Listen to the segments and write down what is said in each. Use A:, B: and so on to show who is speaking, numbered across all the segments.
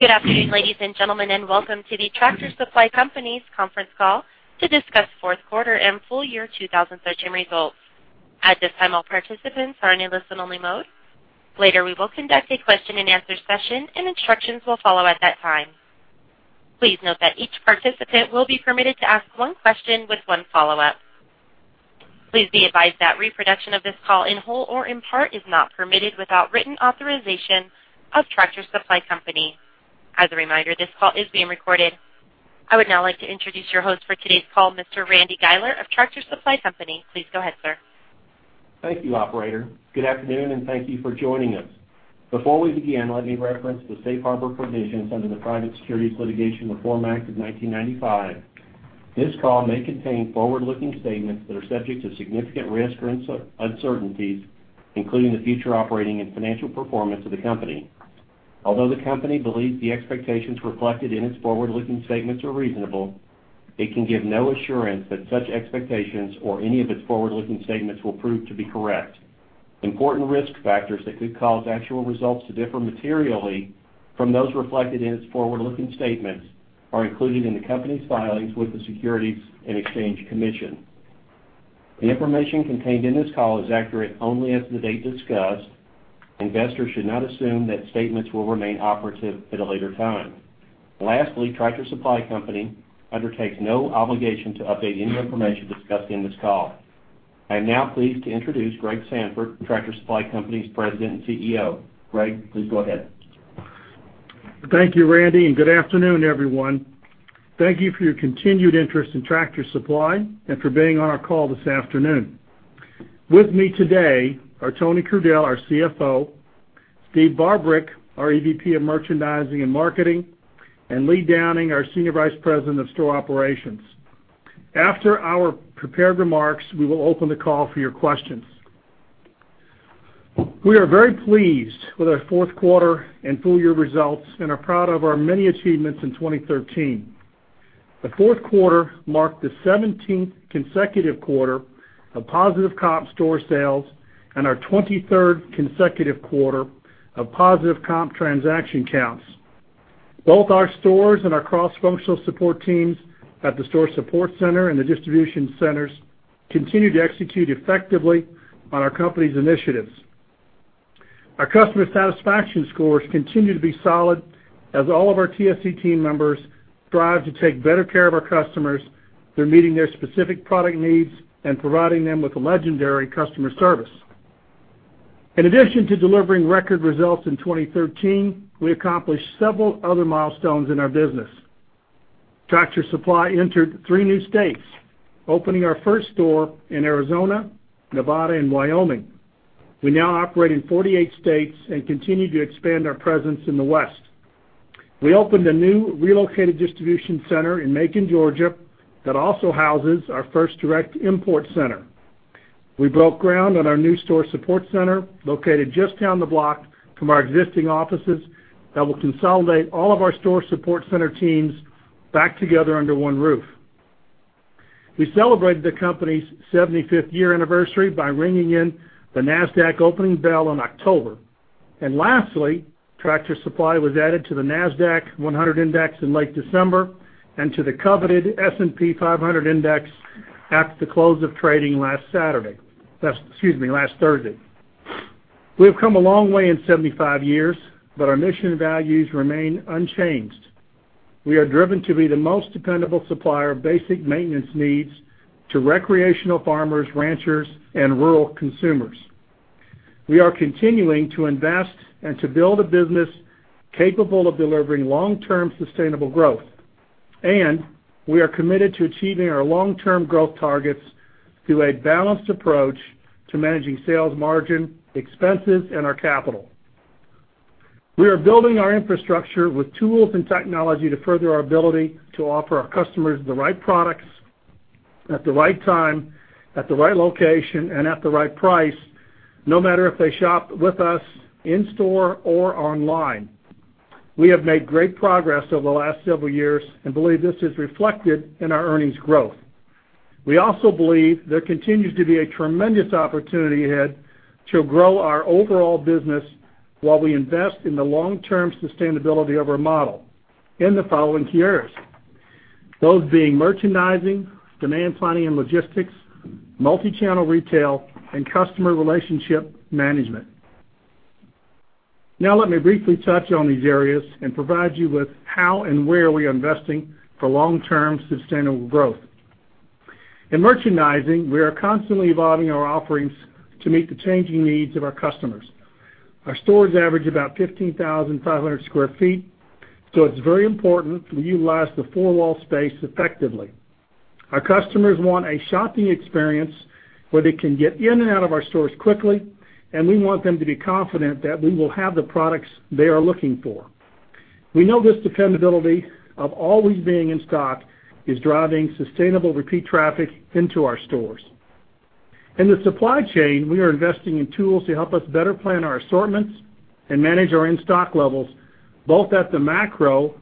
A: Good afternoon, ladies and gentlemen, and welcome to the Tractor Supply Company's conference call to discuss fourth quarter and full year 2013 results. At this time, all participants are in a listen-only mode. Later, we will conduct a question-and-answer session, and instructions will follow at that time. Please note that each participant will be permitted to ask one question with one follow-up. Please be advised that reproduction of this call in whole or in part is not permitted without written authorization of Tractor Supply Company. As a reminder, this call is being recorded. I would now like to introduce your host for today's call, Mr. Randy Guiler of Tractor Supply Company. Please go ahead, sir.
B: Thank you, operator. Good afternoon, and thank you for joining us. Before we begin, let me reference the safe harbor provisions under the Private Securities Litigation Reform Act of 1995. This call may contain forward-looking statements that are subject to significant risk and uncertainties, including the future operating and financial performance of the company. Although the company believes the expectations reflected in its forward-looking statements are reasonable, it can give no assurance that such expectations or any of its forward-looking statements will prove to be correct. Important risk factors that could cause actual results to differ materially from those reflected in its forward-looking statements are included in the company's filings with the Securities and Exchange Commission. The information contained in this call is accurate only as of the date discussed. Investors should not assume that statements will remain operative at a later time. Lastly, Tractor Supply Company undertakes no obligation to update any information discussed in this call. I am now pleased to introduce Gregory Sandfort, Tractor Supply Company's President and CEO. Greg, please go ahead.
C: Thank you, Randy. Good afternoon, everyone. Thank you for your continued interest in Tractor Supply and for being on our call this afternoon. With me today are Anthony Crudele, our CFO, Steve Barbarick, our EVP of Merchandising and Marketing, and Lee Downing, our Senior Vice President of Store Operations. After our prepared remarks, we will open the call for your questions. We are very pleased with our fourth quarter and full-year results and are proud of our many achievements in 2013. The fourth quarter marked the 17th consecutive quarter of positive comp store sales and our 23rd consecutive quarter of positive comp transaction counts. Both our stores and our cross-functional support teams at the store support center and the distribution centers continue to execute effectively on our company's initiatives. Our customer satisfaction scores continue to be solid as all of our TSC team members strive to take better care of our customers through meeting their specific product needs and providing them with legendary customer service. In addition to delivering record results in 2013, we accomplished several other milestones in our business. Tractor Supply entered three new states, opening our first store in Arizona, Nevada, and Wyoming. We now operate in 48 states and continue to expand our presence in the West. We opened a new relocated distribution center in Macon, Georgia, that also houses our first direct import center. We broke ground on our new store support center, located just down the block from our existing offices, that will consolidate all of our store support center teams back together under one roof. We celebrated the company's 75th year anniversary by ringing in the Nasdaq opening bell in October. Lastly, Tractor Supply was added to the NASDAQ-100 index in late December and to the coveted S&P 500 index at the close of trading last Saturday. Excuse me, last Thursday. We have come a long way in 75 years, our mission values remain unchanged. We are driven to be the most dependable supplier of basic maintenance needs to recreational farmers, ranchers, and rural consumers. We are continuing to invest and to build a business capable of delivering long-term sustainable growth, we are committed to achieving our long-term growth targets through a balanced approach to managing sales margin, expenses, and our capital. We are building our infrastructure with tools and technology to further our ability to offer our customers the right products at the right time, at the right location, and at the right price, no matter if they shop with us in-store or online. We have made great progress over the last several years and believe this is reflected in our earnings growth. We also believe there continues to be a tremendous opportunity ahead to grow our overall business while we invest in the long-term sustainability of our model in the following key areas, those being merchandising, demand planning and logistics, multi-channel retail, and customer relationship management. Let me briefly touch on these areas and provide you with how and where we are investing for long-term sustainable growth. In merchandising, we are constantly evolving our offerings to meet the changing needs of our customers. Our stores average about 15,500 sq ft, it's very important we utilize the four-wall space effectively. Our customers want a shopping experience where they can get in and out of our stores quickly, we want them to be confident that we will have the products they are looking for. We know this dependability of always being in stock is driving sustainable repeat traffic into our stores. In the supply chain, we are investing in tools to help us better plan our assortments and manage our in-stock levels, both at the macro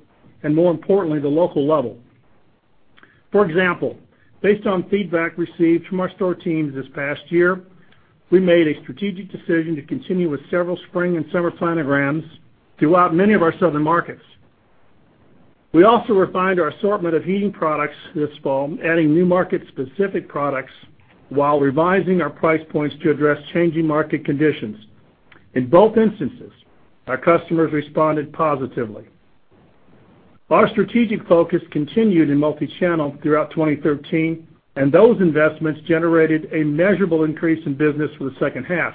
C: and, more importantly, the local level. For example, based on feedback received from our store teams this past year, we made a strategic decision to continue with several spring and summer planograms throughout many of our southern markets. We also refined our assortment of heating products this fall, adding new market-specific products while revising our price points to address changing market conditions. In both instances, our customers responded positively. Our strategic focus continued in multi-channel throughout 2013, and those investments generated a measurable increase in business for the second half.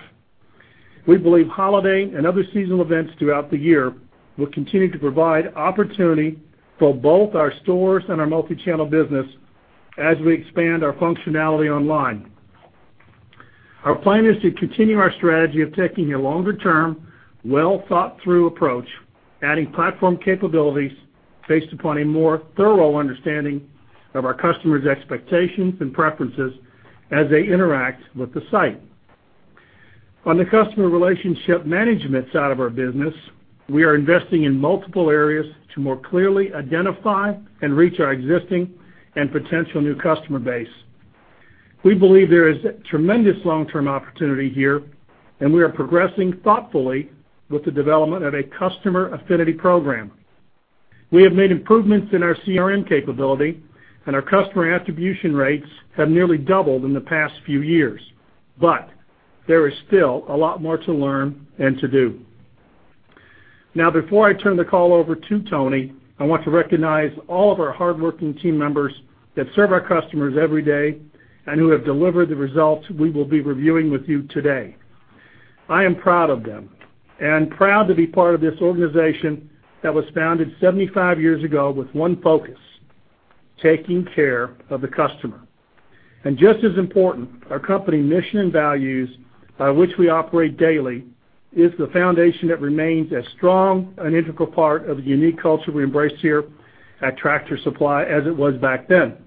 C: We believe holiday and other seasonal events throughout the year will continue to provide opportunity for both our stores and our multi-channel business as we expand our functionality online. Our plan is to continue our strategy of taking a longer-term, well-thought-through approach, adding platform capabilities based upon a more thorough understanding of our customers' expectations and preferences as they interact with the site. On the customer relationship management side of our business, we are investing in multiple areas to more clearly identify and reach our existing and potential new customer base. We believe there is tremendous long-term opportunity here, and we are progressing thoughtfully with the development of a customer affinity program. We have made improvements in our CRM capability, and our customer attribution rates have nearly doubled in the past few years. There is still a lot more to learn and to do. Now, before I turn the call over to Tony, I want to recognize all of our hardworking team members that serve our customers every day and who have delivered the results we will be reviewing with you today. I am proud of them and proud to be part of this organization that was founded 75 years ago with one focus: taking care of the customer. Just as important, our company mission and values, by which we operate daily, is the foundation that remains as strong an integral part of the unique culture we embrace here at Tractor Supply as it was back then.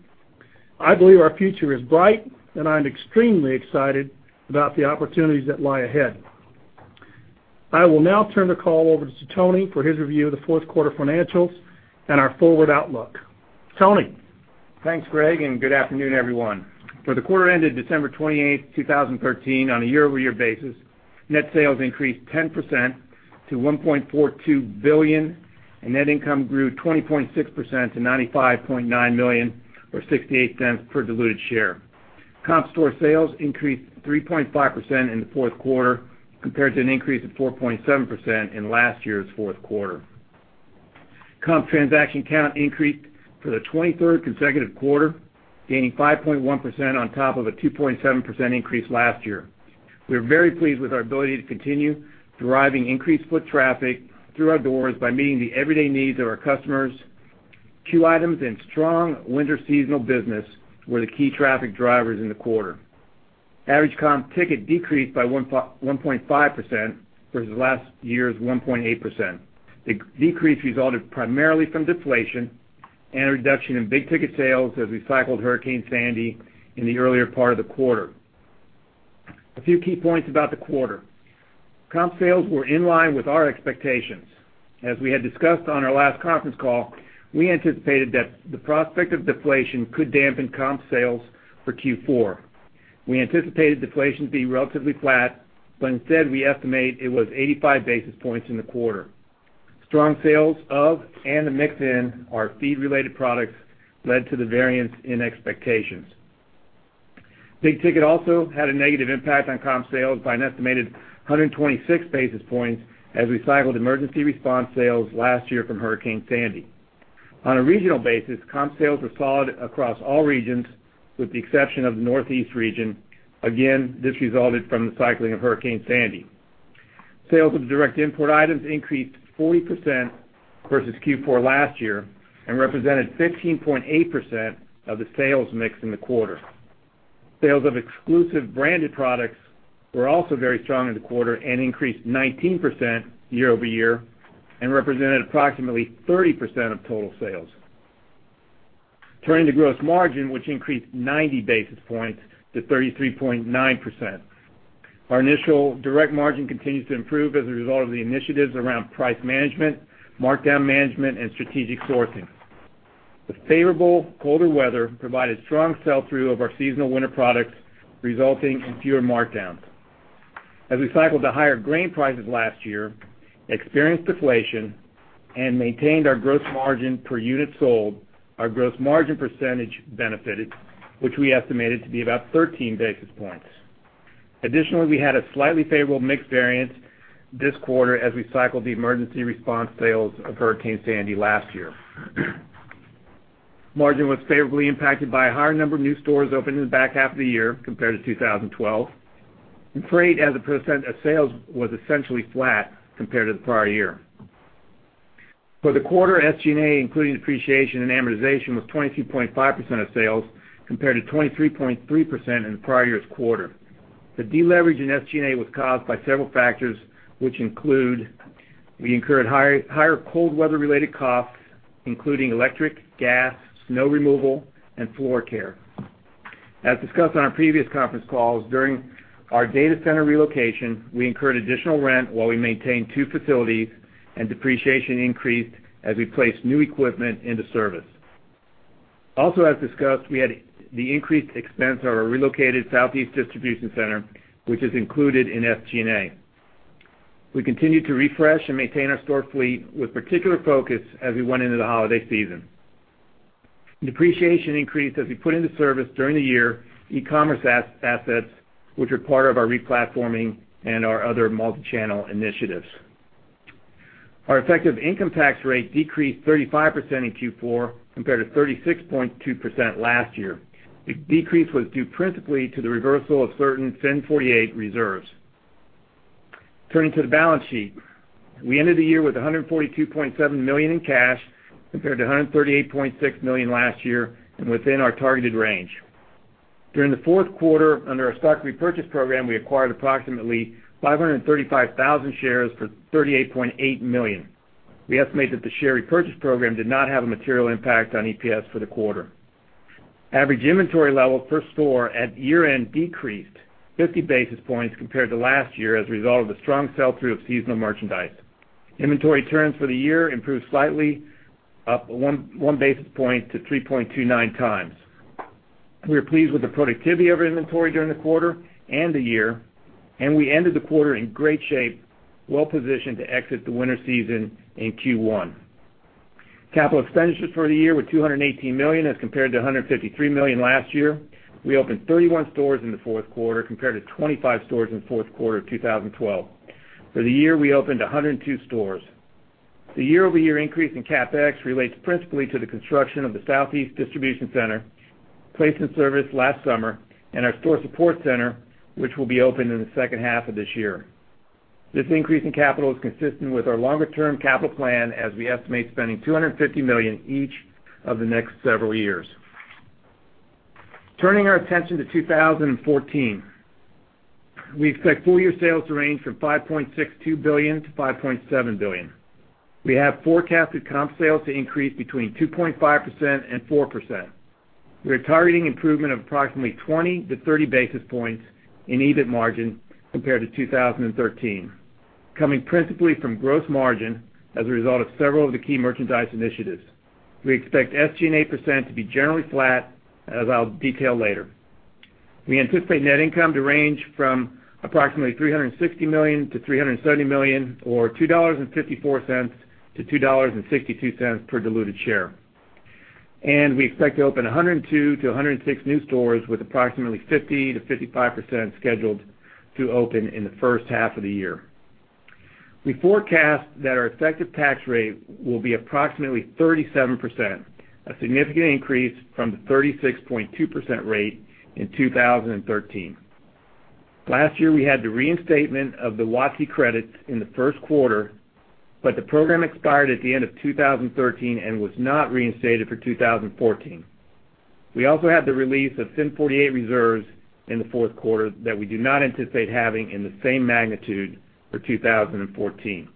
C: I believe our future is bright, and I am extremely excited about the opportunities that lie ahead. I will now turn the call over to Tony for his review of the fourth quarter financials and our forward outlook. Tony?
D: Thanks, Greg, good afternoon, everyone. For the quarter ended December 28th, 2013, on a year-over-year basis, net sales increased 10% to $1.42 billion, and net income grew 20.6% to $95.9 million, or $0.68 per diluted share. Comp store sales increased 3.5% in the fourth quarter, compared to an increase of 4.7% in last year's fourth quarter. Comp transaction count increased for the 23rd consecutive quarter, gaining 5.1% on top of a 2.7% increase last year. We are very pleased with our ability to continue driving increased foot traffic through our doors by meeting the everyday needs of our customers. C.U.E. items and strong winter seasonal business were the key traffic drivers in the quarter. Average comp ticket decreased by 1.5% versus last year's 1.8%. The decrease resulted primarily from deflation and a reduction in big-ticket sales as we cycled Hurricane Sandy in the earlier part of the quarter. A few key points about the quarter. Comp sales were in line with our expectations. As we had discussed on our last conference call, we anticipated that the prospect of deflation could dampen comp sales for Q4. Instead, we estimate it was 85 basis points in the quarter. Strong sales of and the mix in our feed-related products led to the variance in expectations. Big ticket also had a negative impact on comp sales by an estimated 126 basis points as we cycled emergency response sales last year from Hurricane Sandy. On a regional basis, comp sales were solid across all regions, with the exception of the Northeast region. This resulted from the cycling of Hurricane Sandy. Sales of direct import items increased 40% versus Q4 last year and represented 15.8% of the sales mix in the quarter. Sales of exclusive branded products were also very strong in the quarter. Increased 19% year-over-year and represented approximately 30% of total sales. Turning to gross margin, which increased 90 basis points to 33.9%. Our initial direct margin continues to improve as a result of the initiatives around price management, markdown management, and strategic sourcing. The favorable colder weather provided strong sell-through of our seasonal winter products, resulting in fewer markdowns. As we cycled the higher grain prices last year, experienced deflation, and maintained our gross margin per unit sold, our gross margin percentage benefited, which we estimated to be about 13 basis points. Additionally, we had a slightly favorable mix variance this quarter as we cycled the emergency response sales of Hurricane Sandy last year. Margin was favorably impacted by a higher number of new stores opened in the back half of the year compared to 2012. Freight as a % of sales was essentially flat compared to the prior year. For the quarter, SG&A, including depreciation and amortization, was 22.5% of sales, compared to 23.3% in the prior year's quarter. The deleverage in SG&A was caused by several factors, which include. We incurred higher cold weather-related costs, including electric, gas, snow removal, and floor care. As discussed on our previous conference calls, during our data center relocation, we incurred additional rent while we maintained two facilities. Depreciation increased as we placed new equipment into service. As discussed, we had the increased expense of our relocated southeast distribution center, which is included in SG&A. We continued to refresh and maintain our store fleet with particular focus as we went into the holiday season. Depreciation increased as we put into service during the year e-commerce assets, which are part of our replatforming and our other multi-channel initiatives. Our effective income tax rate decreased 35% in Q4 compared to 36.2% last year. The decrease was due principally to the reversal of certain FIN 48 reserves. Turning to the balance sheet. We ended the year with $142.7 million in cash, compared to $138.6 million last year, and within our targeted range. During the fourth quarter, under our stock repurchase program, we acquired approximately 535,000 shares for $38.8 million. We estimate that the share repurchase program did not have a material impact on EPS for the quarter. Average inventory level per store at year-end decreased 50 basis points compared to last year as a result of the strong sell-through of seasonal merchandise. Inventory turns for the year improved slightly, up one basis point to 3.29 times. We are pleased with the productivity of our inventory during the quarter and the year, and we ended the quarter in great shape, well-positioned to exit the winter season in Q1. Capital expenditures for the year were $218 million as compared to $153 million last year. We opened 31 stores in the fourth quarter compared to 25 stores in the fourth quarter of 2012. For the year, we opened 102 stores. The year-over-year increase in CapEx relates principally to the construction of the Southeast Distribution Center, placed in service last summer, and our Store Support Center, which will be open in the second half of this year. This increase in capital is consistent with our longer-term capital plan as we estimate spending $250 million each of the next several years. Turning our attention to 2014. We expect full-year sales to range from $5.62 billion-$5.7 billion. We have forecasted comp sales to increase between 2.5% and 4%. We are targeting improvement of approximately 20 to 30 basis points in EBIT margin compared to 2013, coming principally from gross margin as a result of several of the key merchandise initiatives. We expect SG&A % to be generally flat, as I'll detail later. We anticipate net income to range from approximately $360 million-$370 million, or $2.54-$2.62 per diluted share. We expect to open 102 to 106 new stores, with approximately 50%-55% scheduled to open in the first half of the year. We forecast that our effective tax rate will be approximately 37%, a significant increase from the 36.2% rate in 2013. Last year, we had the reinstatement of the WOTC credits in the first quarter, but the program expired at the end of 2013 and was not reinstated for 2014. We also had the release of FIN 48 reserves in the fourth quarter that we do not anticipate having in the same magnitude for 2014.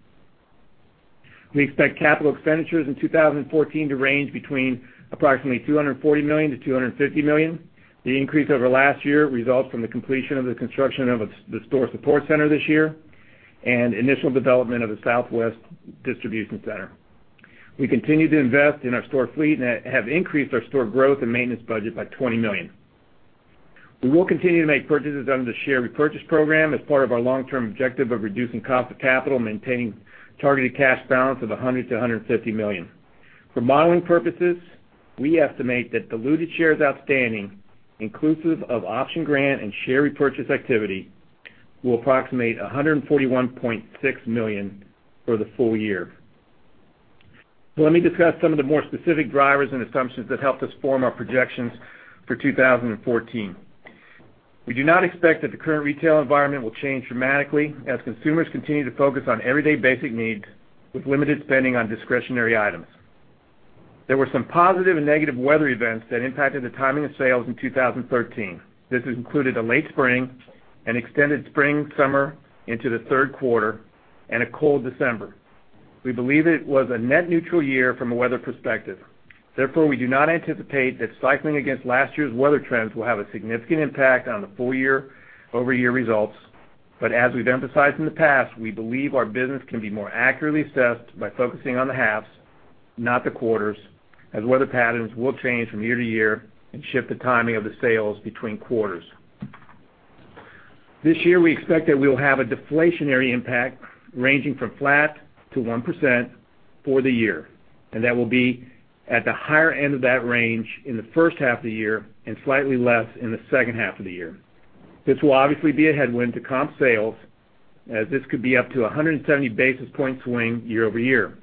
D: We expect capital expenditures in 2014 to range between approximately $240 million-$250 million. The increase over last year results from the completion of the construction of the Store Support Center this year and initial development of the Southwest Distribution Center. We continue to invest in our store fleet and have increased our store growth and maintenance budget by $20 million. We will continue to make purchases under the share repurchase program as part of our long-term objective of reducing cost of capital and maintaining targeted cash balance of $100 million-$150 million. For modeling purposes, we estimate that diluted shares outstanding, inclusive of option grant and share repurchase activity, will approximate 141.6 million for the full-year. Let me discuss some of the more specific drivers and assumptions that helped us form our projections for 2014. We do not expect that the current retail environment will change dramatically as consumers continue to focus on everyday basic needs with limited spending on discretionary items. There were some positive and negative weather events that impacted the timing of sales in 2013. This included a late spring, an extended spring, summer into the third quarter, and a cold December. We believe it was a net neutral year from a weather perspective. Therefore, we do not anticipate that cycling against last year's weather trends will have a significant impact on the full-year year-over-year results. As we've emphasized in the past, we believe our business can be more accurately assessed by focusing on the halves, not the quarters, as weather patterns will change from year to year and shift the timing of the sales between quarters. This year, we expect that we will have a deflationary impact ranging from flat to 1% for the year, and that will be at the higher end of that range in the first half of the year and slightly less in the second half of the year. This will obviously be a headwind to comp sales, as this could be up to a 170-basis-point swing year-over-year.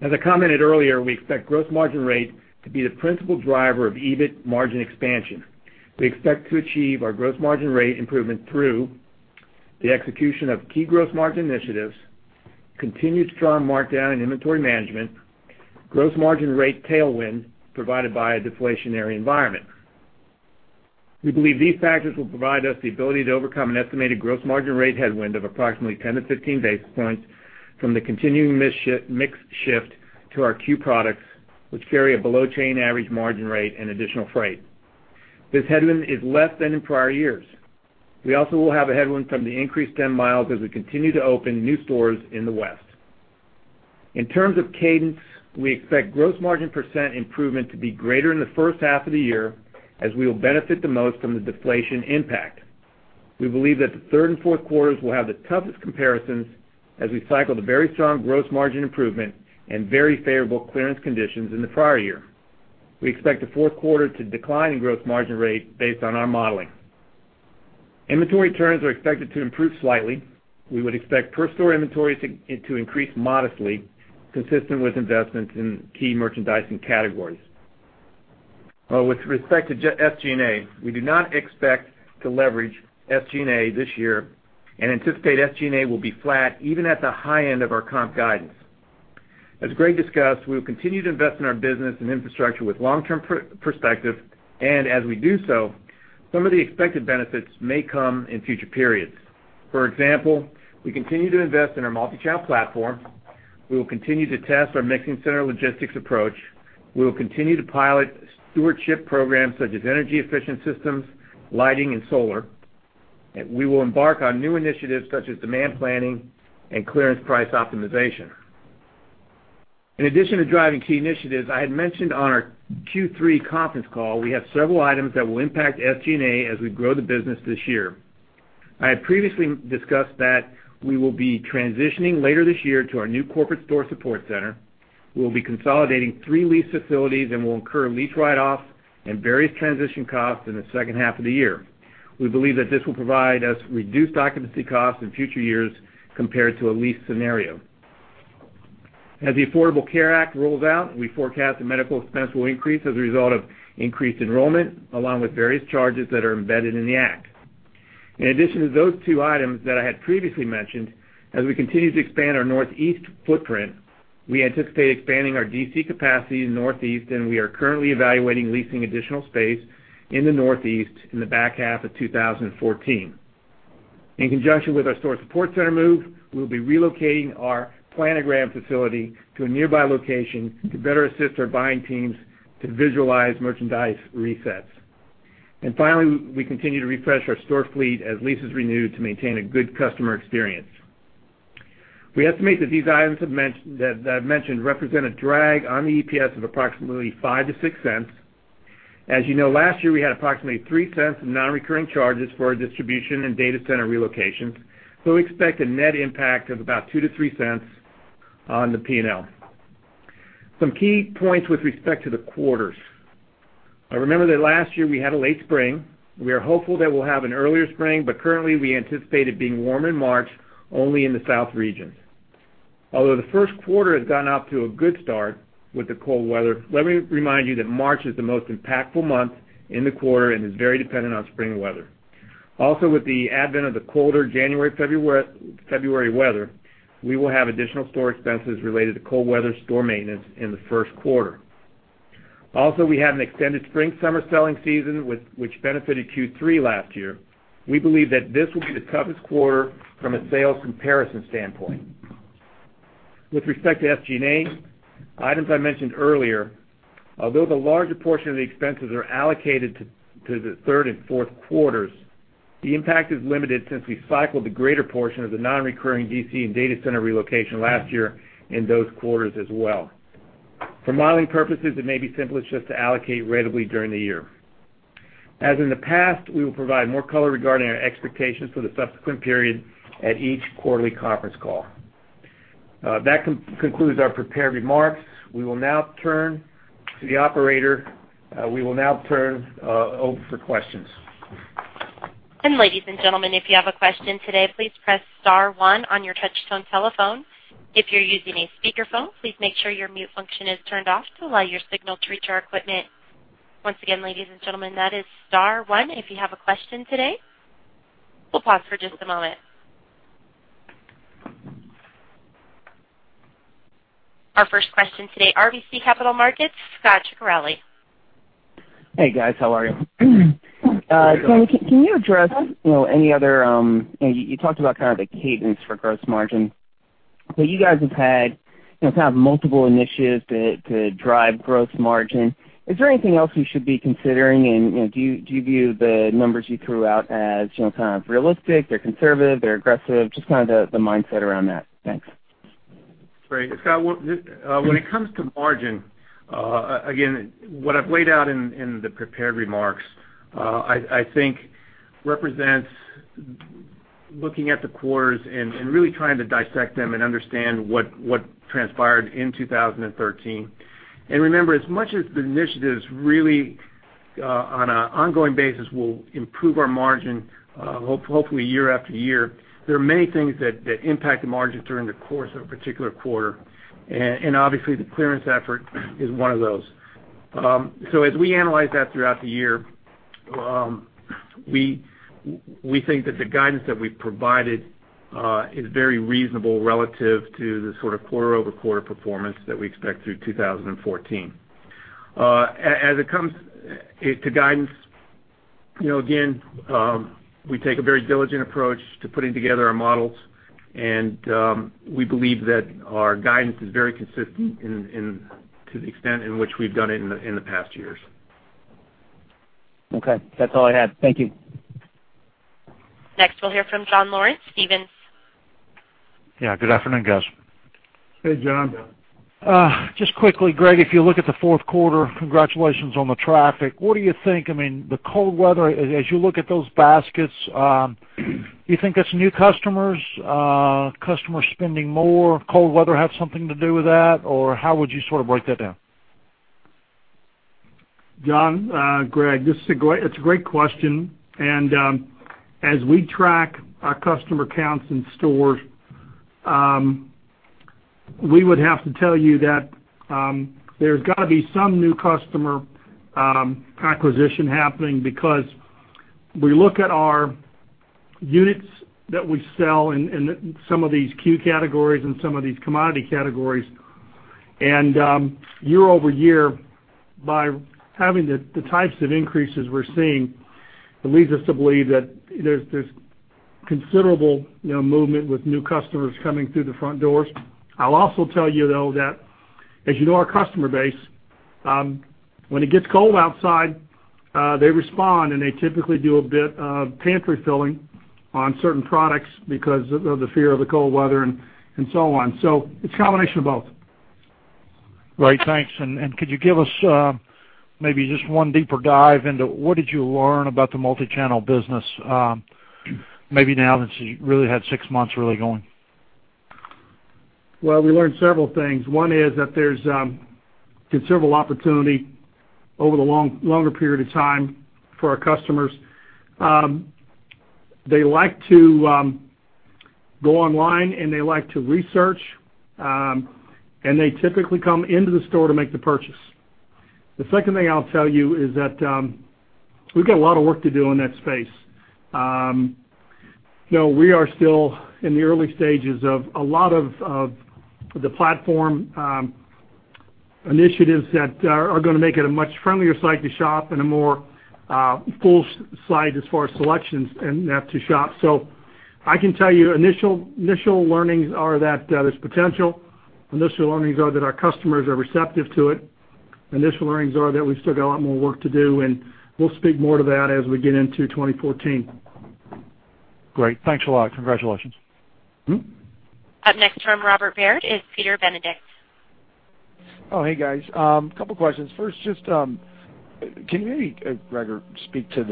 D: As I commented earlier, we expect gross margin rate to be the principal driver of EBIT margin expansion. We expect to achieve our gross margin rate improvement through the execution of key gross margin initiatives, continued strong markdown in inventory management, gross margin rate tailwind provided by a deflationary environment. We believe these factors will provide us the ability to overcome an estimated gross margin rate headwind of approximately 10-15 basis points from the continuing mix shift to our C.U.E. products, which carry a below-chain average margin rate and additional freight. This headwind is less than in prior years. We also will have a headwind from the increased 10 miles as we continue to open new stores in the West. In terms of cadence, we expect gross margin % improvement to be greater in the first half of the year, as we will benefit the most from the deflation impact. We believe that the third and fourth quarters will have the toughest comparisons as we cycle the very strong gross margin improvement and very favorable clearance conditions in the prior year. We expect the fourth quarter to decline in gross margin rate based on our modeling. Inventory turns are expected to improve slightly. We would expect per store inventories to increase modestly, consistent with investments in key merchandising categories. With respect to SG&A, we do not expect to leverage SG&A this year and anticipate SG&A will be flat even at the high end of our comp guidance. As Greg discussed, we will continue to invest in our business and infrastructure with long-term perspective, and as we do so, some of the expected benefits may come in future periods. For example, we continue to invest in our multi-channel platform. We will continue to test our mixing center logistics approach. We will continue to pilot stewardship programs such as energy-efficient systems, lighting, and solar. We will embark on new initiatives such as demand planning and clearance price optimization. In addition to driving key initiatives, I had mentioned on our Q3 conference call, we have several items that will impact SG&A as we grow the business this year. I had previously discussed that we will be transitioning later this year to our new corporate store support center. We will be consolidating three lease facilities and will incur lease write-offs and various transition costs in the second half of the year. We believe that this will provide us reduced occupancy costs in future years compared to a lease scenario. As the Affordable Care Act rolls out, we forecast the medical expense will increase as a result of increased enrollment, along with various charges that are embedded in the Act. In addition to those two items that I had previously mentioned, as we continue to expand our Northeast footprint, we anticipate expanding our DC capacity in the Northeast, we are currently evaluating leasing additional space in the Northeast in the back half of 2014. Finally, we continue to refresh our store fleet as leases renew to maintain a good customer experience. We estimate that these items that I've mentioned represent a drag on the EPS of approximately $0.05-$0.06. As you know, last year, we had approximately $0.03 in non-recurring charges for our distribution and data center relocations. We expect a net impact of about $0.02-$0.03 on the P&L. Some key points with respect to the quarters. Remember that last year we had a late spring. We are hopeful that we'll have an earlier spring, but currently, we anticipate it being warm in March only in the South region. Although the first quarter has gotten off to a good start with the cold weather, let me remind you that March is the most impactful month in the quarter and is very dependent on spring weather. Also, with the advent of the colder January-February weather, we will have additional store expenses related to cold weather store maintenance in the first quarter. Also, we have an extended spring-summer selling season, which benefited Q3 last year. We believe that this will be the toughest quarter from a sales comparison standpoint. With respect to SG&A, items I mentioned earlier, although the larger portion of the expenses are allocated to the third and fourth quarters, the impact is limited since we cycled the greater portion of the non-recurring DC and data center relocation last year in those quarters as well. For modeling purposes, it may be simplest just to allocate ratably during the year. As in the past, we will provide more color regarding our expectations for the subsequent period at each quarterly conference call. That concludes our prepared remarks. We will now turn to the operator. We will now turn over for questions.
A: Ladies and gentlemen, if you have a question today, please press star one on your touch-tone telephone. If you're using a speakerphone, please make sure your mute function is turned off to allow your signal to reach our equipment. Once again, ladies and gentlemen, that is star one if you have a question today. We'll pause for just a moment. Our first question today, RBC Capital Markets, Scot Ciccarelli.
E: Hey, guys. How are you?
D: Good.
E: Can you address any other? You talked about kind of the cadence for gross margin. You guys have had kind of multiple initiatives to drive gross margin. Is there anything else you should be considering, and do you view the numbers you threw out as kind of realistic or conservative or aggressive? Just kind of the mindset around that. Thanks.
D: Great. Scot, when it comes to margin, again, what I've laid out in the prepared remarks, I think represents looking at the quarters and really trying to dissect them and understand what transpired in 2013. Remember, as much as the initiatives really on an ongoing basis will improve our margin, hopefully year after year, there are many things that impact the margins during the course of a particular quarter. Obviously, the clearance effort is one of those. As we analyze that throughout the year, we think that the guidance that we've provided is very reasonable relative to the sort of quarter-over-quarter performance that we expect through 2014. As it comes to guidance, again, we take a very diligent approach to putting together our models, and we believe that our guidance is very consistent to the extent in which we've done it in the past years.
E: Okay. That's all I had. Thank you.
A: Next, we'll hear from John Lawrence, Stephens.
F: Yeah. Good afternoon, guys.
C: Hey, John.
F: Just quickly, Greg, if you look at the fourth quarter, congratulations on the traffic. What do you think, the cold weather, as you look at those baskets, do you think that's new customers spending more, cold weather have something to do with that, or how would you sort of break that down?
C: John, Greg, it's a great question. As we track our customer counts in stores, we would have to tell you that there's got to be some new customer acquisition happening because we look at our units that we sell in some of these key categories and some of these commodity categories, and year-over-year, by having the types of increases we're seeing, it leads us to believe that there's considerable movement with new customers coming through the front doors. I'll also tell you, though, that as you know our customer base, when it gets cold outside, they respond, and they typically do a bit of pantry filling on certain products because of the fear of the cold weather and so on. It's a combination of both.
F: Great. Thanks. Could you give us maybe just one deeper dive into what did you learn about the multi-channel business maybe now that you really had six months really going?
C: Well, we learned several things. One is that there's considerable opportunity over the longer period of time for our customers. They like to go online, and they like to research, and they typically come into the store to make the purchase. The second thing I'll tell you is that we've got a lot of work to do in that space. We are still in the early stages of a lot of the platform initiatives that are going to make it a much friendlier site to shop and a more full site as far as selections and to shop. I can tell you initial learnings are that there's potential. Initial learnings are that our customers are receptive to it. Initial learnings are that we've still got a lot more work to do, and we'll speak more to that as we get into 2014.
F: Great. Thanks a lot. Congratulations.
A: Up next from Robert W. Baird is Peter Benedict.
G: Oh, hey, guys. Couple of questions. First, just can you maybe, Greg, speak to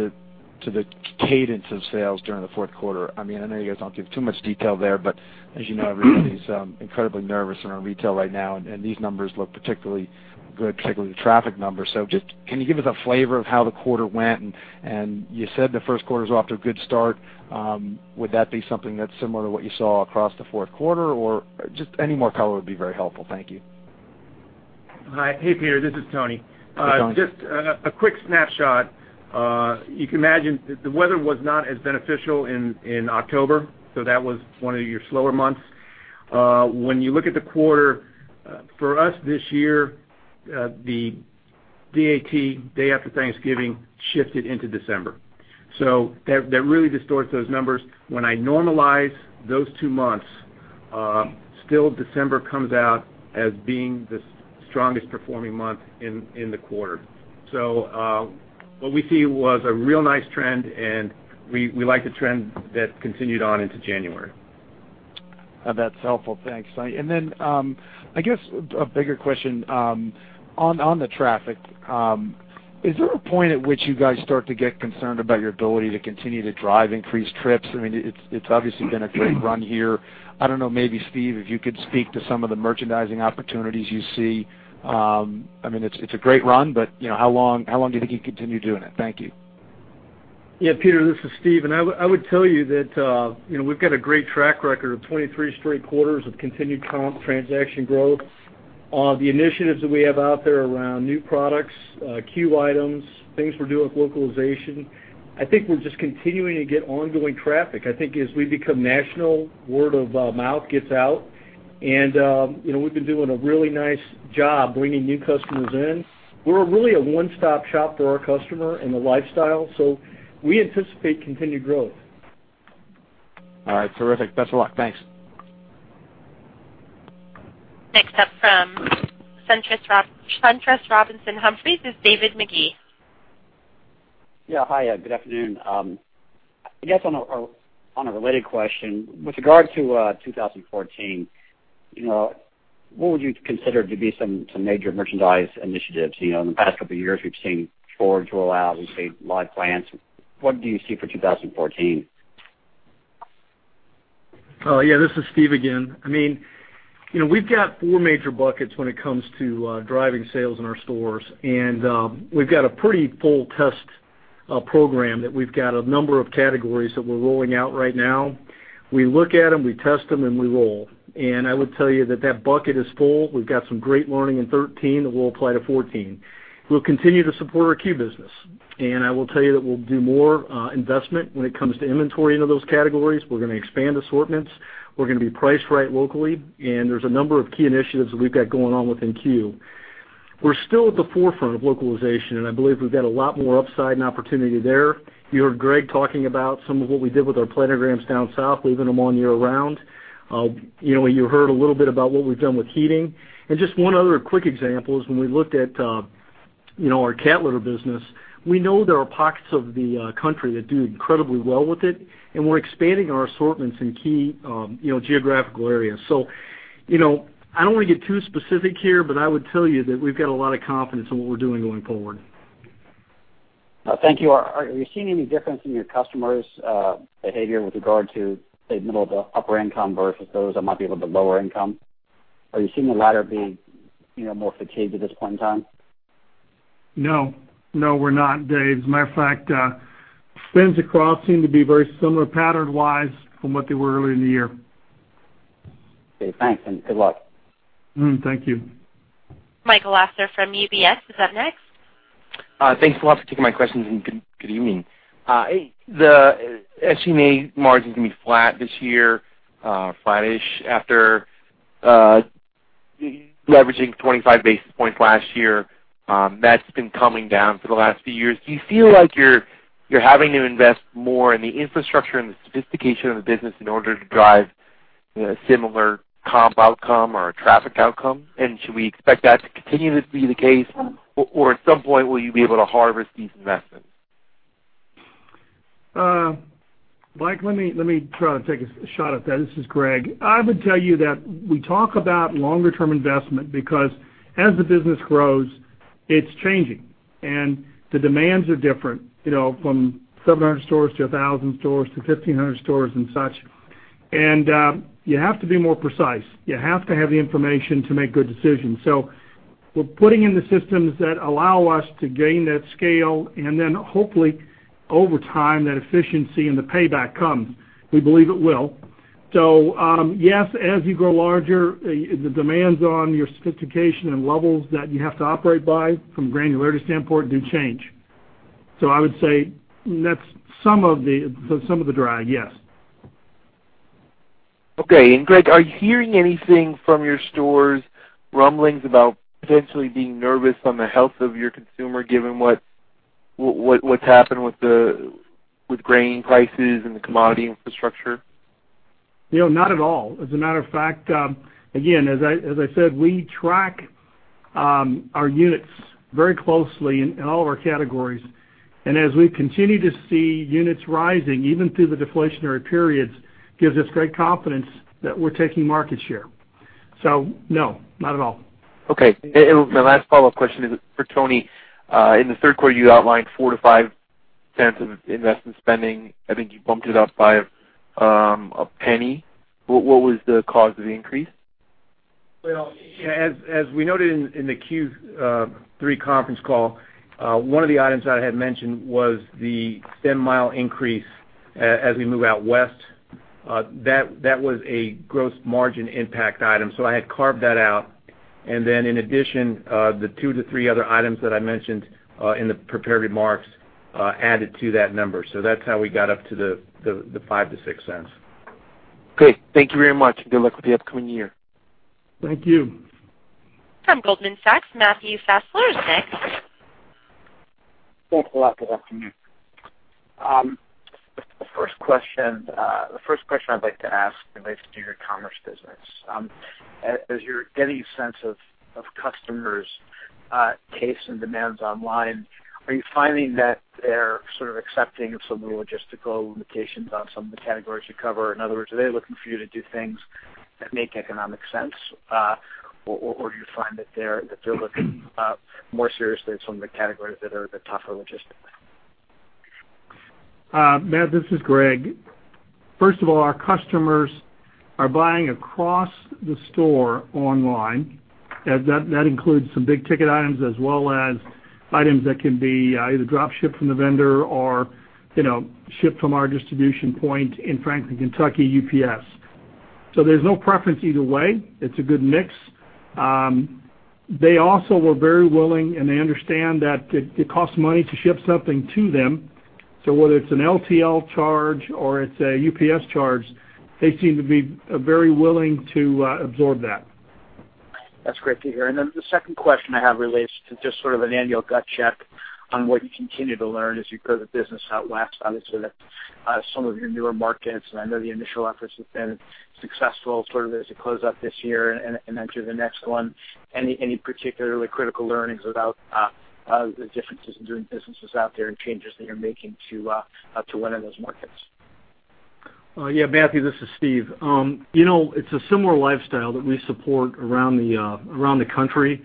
G: the cadence of sales during the fourth quarter? I know you guys don't give too much detail there, but as you know, everybody's incredibly nervous around retail right now, and these numbers look particularly good, particularly the traffic numbers. Just can you give us a flavor of how the quarter went? You said the first quarter's off to a good start. Would that be something that's similar to what you saw across the fourth quarter, or just any more color would be very helpful. Thank you.
D: Hi. Hey, Peter, this is Tony.
G: Hi, Tony.
D: Just a quick snapshot. You can imagine that the weather was not as beneficial in October, so that was one of your slower months. When you look at the quarter, for us this year, the DAT, day after Thanksgiving, shifted into December. That really distorts those numbers. When I normalize those two months, still December comes out as being the strongest performing month in the quarter. What we see was a real nice trend, and we like the trend that continued on into January.
G: That's helpful. Thanks, Tony. I guess a bigger question on the traffic. Is there a point at which you guys start to get concerned about your ability to continue to drive increased trips? It's obviously been a great run here. I don't know, maybe Steve, if you could speak to some of the merchandising opportunities you see. It's a great run, but how long do you think you can continue doing it? Thank you.
H: Yeah. Peter, this is Steve, and I would tell you that we've got a great track record of 23 straight quarters of continued transaction growth. The initiatives that we have out there around new products, C.U.E. items, things we're doing with localization, I think we're just continuing to get ongoing traffic. I think as we become national, word of mouth gets out, and we've been doing a really nice job bringing new customers in. We're really a one-stop shop for our customer and the lifestyle, so we anticipate continued growth.
G: All right, terrific. Best of luck. Thanks.
A: Next up from SunTrust Robinson Humphrey is David Magee.
I: Yeah. Hi, good afternoon. I guess on a related question, with regard to 2014, what would you consider to be some major merchandise initiatives? In the past couple of years, we've seen floors roll out, we've seen live plants. What do you see for 2014?
H: Yeah, this is Steve again. We've got four major buckets when it comes to driving sales in our stores. We've got a pretty full test program that we've got a number of categories that we're rolling out right now. We look at them, we test them, and we roll. I would tell you that that bucket is full. We've got some great learning in 2013 that we'll apply to 2014. We'll continue to support our C.U.E. business. I will tell you that we'll do more investment when it comes to inventory into those categories. We're going to expand assortments. We're going to be priced right locally. There's a number of key initiatives that we've got going on within C.U.E. We're still at the forefront of localization, and I believe we've got a lot more upside and opportunity there. You heard Greg talking about some of what we did with our planograms down south, leaving them on year-round. You heard a little bit about what we've done with heating. Just one other quick example is when we looked at our cat litter business, we know there are pockets of the country that do incredibly well with it, and we're expanding our assortments in key geographical areas. I don't want to get too specific here, but I would tell you that we've got a lot of confidence in what we're doing going forward.
I: Thank you. Are you seeing any difference in your customers' behavior with regard to, say, middle to upper income versus those that might be of the lower income? Are you seeing the latter being more fatigued at this point in time?
C: No. No, we're not, Dave. As a matter of fact, spends across seem to be very similar pattern-wise from what they were earlier in the year.
I: Okay, thanks, and good luck.
C: Thank you.
A: Michael Lasser from UBS is up next.
J: Thanks a lot for taking my questions, good evening. The SG&A margins going to be flat this year, flat-ish after leveraging 25 basis points last year. That's been coming down for the last few years. Do you feel like you're having to invest more in the infrastructure and the sophistication of the business in order to drive a similar comp outcome or a traffic outcome? Should we expect that to continue to be the case, or at some point, will you be able to harvest these investments?
C: Mike, let me try to take a shot at that. This is Greg. I would tell you that we talk about longer-term investment because as the business grows, it's changing, and the demands are different. From 700 stores to 1,000 stores to 1,500 stores and such. You have to be more precise. You have to have the information to make good decisions. We're putting in the systems that allow us to gain that scale, and then hopefully, over time, that efficiency and the payback comes. We believe it will. Yes, as you grow larger, the demands on your sophistication and levels that you have to operate by from a granularity standpoint do change. I would say that's some of the drag, yes.
J: Okay. Greg, are you hearing anything from your stores, rumblings about potentially being nervous on the health of your consumer given what's happened with grain prices and the commodity infrastructure?
C: Not at all. As a matter of fact, again, as I said, we track our units very closely in all of our categories. As we continue to see units rising even through the deflationary periods, gives us great confidence that we're taking market share. No, not at all.
J: Okay. My last follow-up question is for Tony. In the third quarter, you outlined $0.04-$0.05 of investment spending. I think you bumped it up by $0.01. What was the cause of the increase?
D: Well, as we noted in the Q3 conference call, one of the items that I had mentioned was the 10-mile increase as we move out West. That was a gross margin impact item, so I had carved that out. Then in addition, the two to three other items that I mentioned in the prepared remarks added to that number. That's how we got up to the $0.05-$0.06.
J: Great. Thank you very much. Good luck with the upcoming year.
D: Thank you.
A: From Goldman Sachs, Matthew Fassler is next.
K: Thanks a lot. Good afternoon. The first question I'd like to ask relates to your commerce business. As you're getting a sense of customers' tastes and demands online, are you finding that they're sort of accepting of some of the logistical limitations on some of the categories you cover? In other words, are they looking for you to do things that make economic sense? Or do you find that they're looking more seriously at some of the categories that are a bit tougher logistically?
C: Matt, this is Greg. First of all, our customers are buying across the store online. That includes some big-ticket items as well as items that can be either drop-shipped from the vendor or shipped from our distribution point in Franklin, Kentucky, UPS. There's no preference either way. It's a good mix. They also were very willing, and they understand that it costs money to ship something to them. Whether it's an LTL charge or it's a UPS charge, they seem to be very willing to absorb that.
K: That's great to hear. Then the second question I have relates to just sort of an annual gut check on what you continue to learn as you grow the business out West, obviously some of your newer markets. I know the initial efforts have been successful sort of as you close up this year and enter the next one. Any particularly critical learnings about the differences in doing businesses out there and changes that you're making to one of those markets?
H: Yeah, Matthew, this is Steve. It's a similar lifestyle that we support around the country.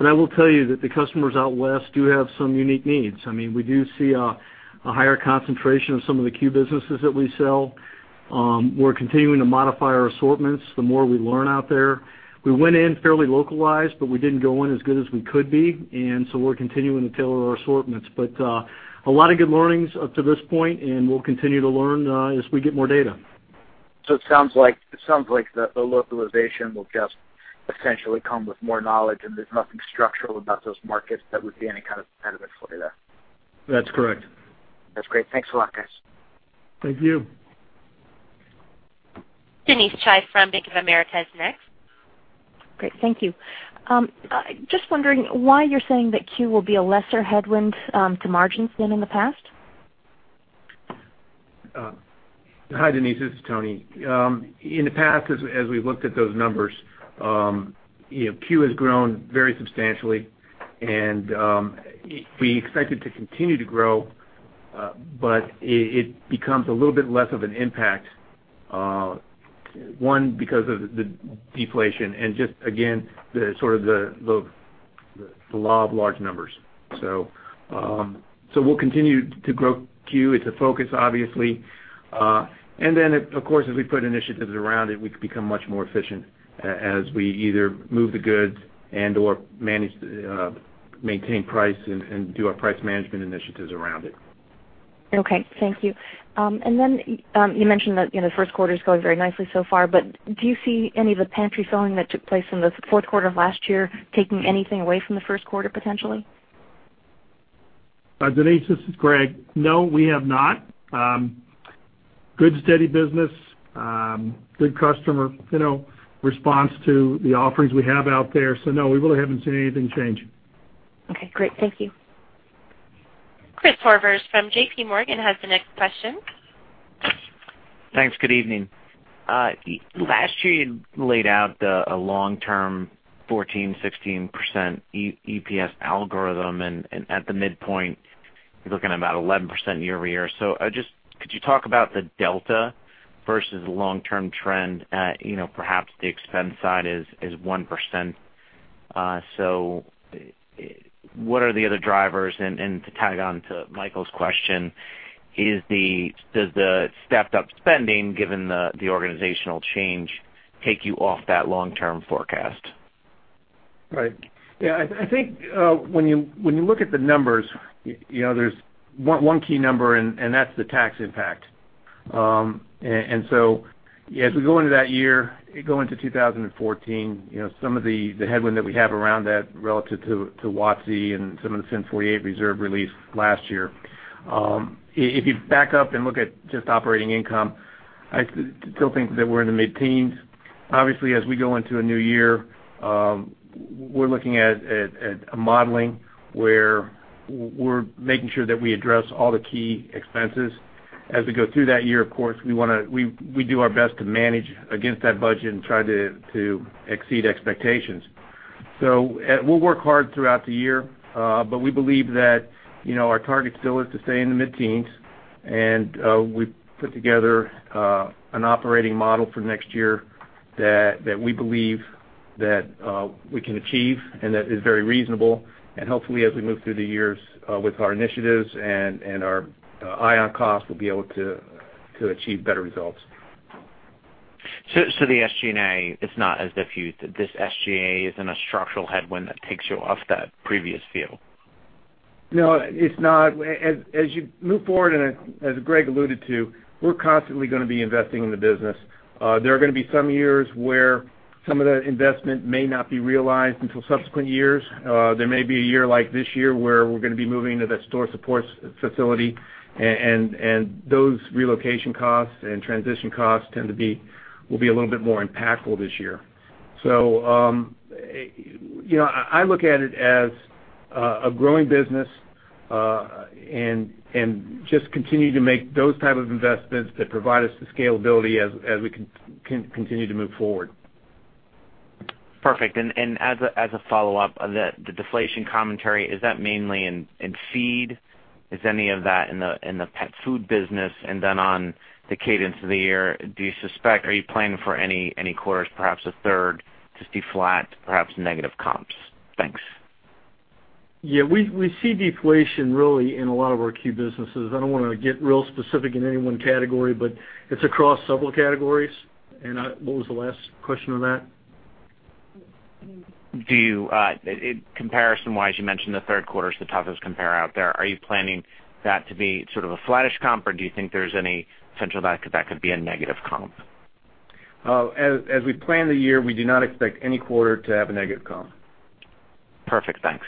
H: I will tell you that the customers out West do have some unique needs. We do see a higher concentration of some of the C.U.E. businesses that we sell. We're continuing to modify our assortments the more we learn out there. We went in fairly localized, but we didn't go in as good as we could be, and so we're continuing to tailor our assortments. A lot of good learnings up to this point, and we'll continue to learn as we get more data.
K: It sounds like the localization will just essentially come with more knowledge, and there's nothing structural about those markets that would be any kind of impediment for you there.
H: That's correct.
K: That's great. Thanks a lot, guys.
C: Thank you.
A: Denise Chai from Bank of America is next.
L: Great. Thank you. Just wondering why you're saying that C.U.E. will be a lesser headwind to margins than in the past.
D: Hi, Denise. This is Tony. In the past, as we've looked at those numbers, C.U.E. has grown very substantially, and we expect it to continue to grow, but it becomes a little bit less of an impact, one, because of the deflation and just again, the law of large numbers. We'll continue to grow C.U.E.. It's a focus, obviously. Of course, as we put initiatives around it, we could become much more efficient as we either move the goods and/or maintain price and do our price management initiatives around it.
L: Okay. Thank you. You mentioned that the first quarter's going very nicely so far. Do you see any of the pantry filling that took place in the fourth quarter of last year taking anything away from the first quarter, potentially?
C: Denise, this is Greg. No, we have not. Good, steady business. Good customer response to the offerings we have out there. No, we really haven't seen anything changing.
L: Okay, great. Thank you.
A: Chris Horvers from JPMorgan has the next question.
M: Thanks. Good evening. Last year, you laid out a long-term 14%-16% EPS algorithm, and at the midpoint, you're looking at about 11% year-over-year. Just could you talk about the delta versus the long-term trend? Perhaps the expense side is 1%. What are the other drivers? And to tag on to Michael's question, does the stepped-up spending, given the organizational change, take you off that long-term forecast?
D: Right. I think when you look at the numbers, there's one key number, and that's the tax impact. As we go into that year, go into 2014, some of the headwind that we have around that relative to WOTC and some of the FIN 48 reserve release last year. If you back up and look at just operating income, I still think that we're in the mid-teens. Obviously, as we go into a new year, we're looking at a modeling where we're making sure that we address all the key expenses. As we go through that year, of course, we do our best to manage against that budget and try to exceed expectations. We'll work hard throughout the year, but we believe that our target still is to stay in the mid-teens, and we put together an operating model for next year that we believe that we can achieve and that is very reasonable. Hopefully, as we move through the years with our initiatives and our eye on cost, we'll be able to achieve better results.
M: The SG&A is not as diffuse. This SG&A isn't a structural headwind that takes you off that previous view.
D: No, it's not. As you move forward, and as Greg alluded to, we're constantly going to be investing in the business. There are going to be some years where some of the investment may not be realized until subsequent years. There may be a year like this year where we're going to be moving to that store support facility, and those relocation costs and transition costs will be a little bit more impactful this year. I look at it as a growing business and just continue to make those type of investments that provide us the scalability as we continue to move forward.
M: Perfect. As a follow-up, the deflation commentary, is that mainly in feed? Is any of that in the pet food business? On the cadence of the year, are you planning for any quarters, perhaps a third, just be flat, perhaps negative comps? Thanks.
H: Yeah, we see deflation really in a lot of our key businesses. I don't want to get real specific in any one category, but it's across several categories. What was the last question on that?
M: Comparison-wise, you mentioned the third quarter's the toughest compare out there. Are you planning that to be sort of a flattish comp, or do you think there's any potential that that could be a negative comp?
D: As we plan the year, we do not expect any quarter to have a negative comp.
M: Perfect. Thanks.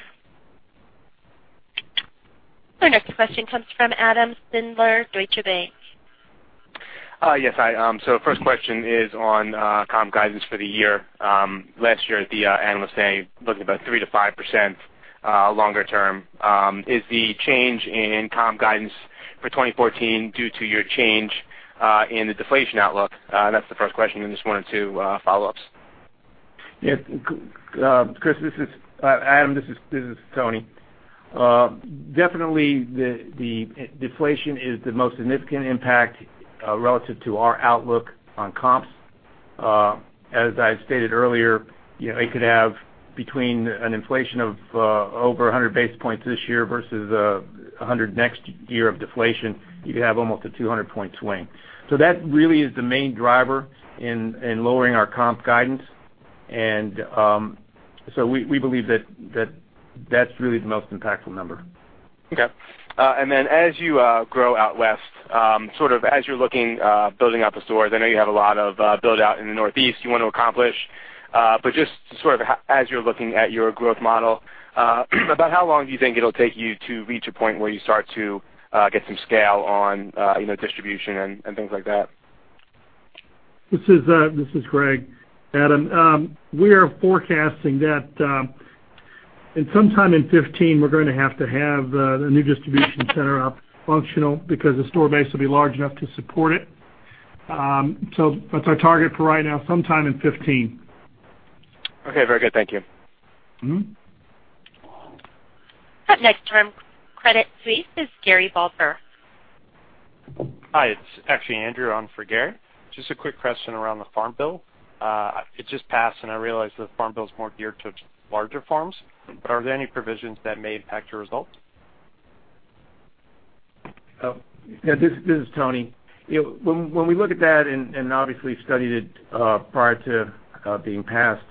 A: Our next question comes from Adam Sindler, Deutsche Bank.
N: Yes. First question is on comp guidance for the year. Last year at the Analyst Day, looking about 3% to 5% longer term. Is the change in comp guidance for 2014 due to your change in the deflation outlook? That's the first question, and just one or two follow-ups.
D: Adam, this is Tony. Definitely, the deflation is the most significant impact relative to our outlook on comps. As I stated earlier, it could have between an inflation of over 100 basis points this year versus 100 next year of deflation. You could have almost a 200-point swing. That really is the main driver in lowering our comp guidance, we believe that's really the most impactful number.
N: Okay. As you grow out west, as you're looking, building out the stores, I know you have a lot of build-out in the Northeast you want to accomplish. Just as you're looking at your growth model, about how long do you think it'll take you to reach a point where you start to get some scale on distribution and things like that?
C: This is Greg. Adam, we are forecasting that in sometime in 2015, we're going to have to have the new distribution center up functional because the store base will be large enough to support it. That's our target for right now, sometime in 2015.
N: Okay, very good. Thank you.
A: Our next turn, Credit Suisse, is Gary Balter.
O: Hi, it's actually Andrew on for Gary. Just a quick question around the Farm Bill. It just passed, and I realize that the Farm Bill is more geared to larger farms. Are there any provisions that may impact your results?
D: This is Tony. When we look at that, and obviously studied it prior to being passed,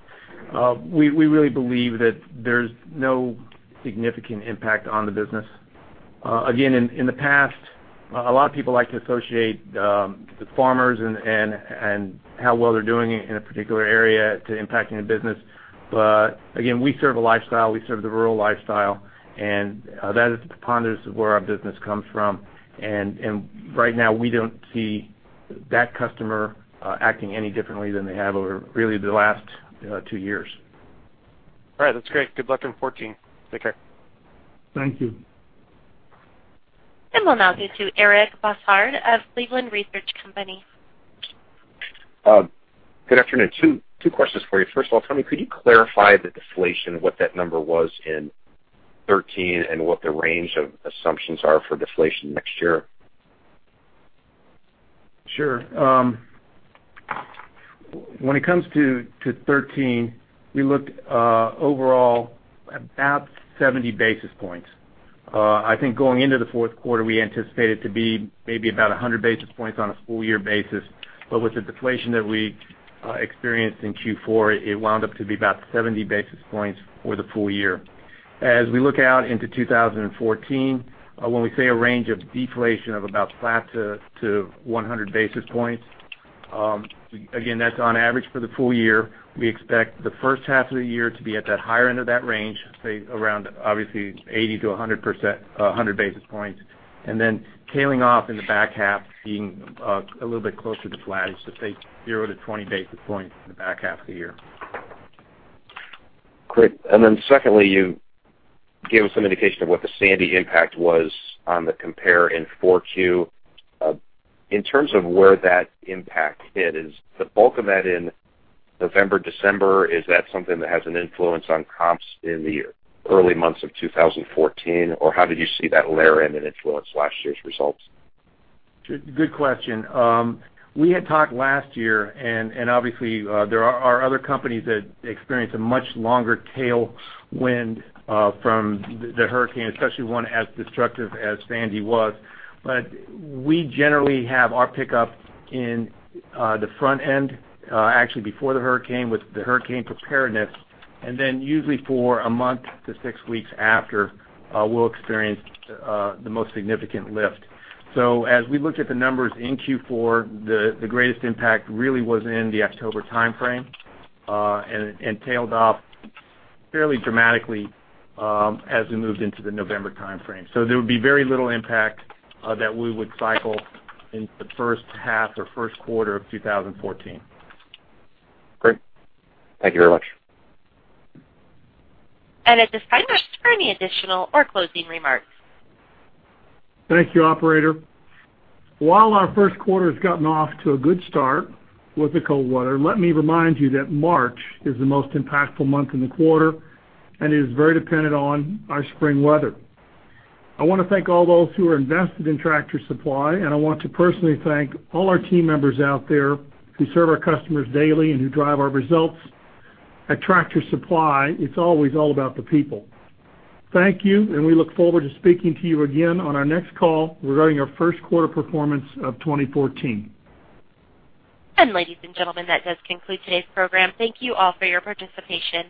D: we really believe that there's no significant impact on the business. Again, in the past, a lot of people like to associate the farmers and how well they're doing in a particular area to impacting the business. Again, we serve a lifestyle, we serve the rural lifestyle, and that is the preponderance of where our business comes from. Right now, we don't see that customer acting any differently than they have over, really, the last two years.
O: All right. That's great. Good luck in 2014. Take care.
C: Thank you.
A: We'll now go to Eric Bosshard of Cleveland Research Company.
P: Good afternoon. Two questions for you. First of all, Tony, could you clarify the deflation, what that number was in 2013, and what the range of assumptions are for deflation next year?
D: Sure. When it comes to 2013, we look overall about 70 basis points. I think going into the fourth quarter, we anticipated to be maybe about 100 basis points on a full year basis. With the deflation that we experienced in Q4, it wound up to be about 70 basis points for the full year. As we look out into 2014, when we say a range of deflation of about flat to 100 basis points, again, that's on average for the full year. We expect the first half of the year to be at that higher end of that range, say, around obviously 80 to 100 basis points. Tailing off in the back half, being a little bit closer to flat, so say zero to 20 basis points in the back half of the year.
P: Great. Secondly, you gave us some indication of what the Sandy impact was on the compare in 4Q. In terms of where that impact hit, is the bulk of that in November, December? Is that something that has an influence on comps in the early months of 2014? How did you see that layer in and influence last year's results?
D: Good question. We had talked last year, obviously there are other companies that experience a much longer tailwind from the hurricane, especially one as destructive as Sandy was. We generally have our pickup in the front end, actually before the hurricane, with the hurricane preparedness. Usually for a month to six weeks after, we'll experience the most significant lift. As we looked at the numbers in Q4, the greatest impact really was in the October timeframe, tailed off fairly dramatically as we moved into the November timeframe. There would be very little impact that we would cycle in the first half or first quarter of 2014.
P: Great. Thank you very much.
A: At this time, are there any additional or closing remarks?
C: Thank you, operator. While our first quarter has gotten off to a good start with the cold weather, let me remind you that March is the most impactful month in the quarter and is very dependent on our spring weather. I want to thank all those who are invested in Tractor Supply, and I want to personally thank all our team members out there who serve our customers daily and who drive our results. At Tractor Supply, it's always all about the people. Thank you, and we look forward to speaking to you again on our next call regarding our first quarter performance of 2014.
A: Ladies and gentlemen, that does conclude today's program. Thank you all for your participation.